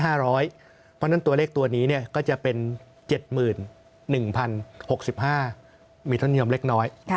เพราะฉะนั้นตัวเลขตัวนี้ก็จะเป็น๗๑๐๖๕มีเท่าเทียมเล็กน้อย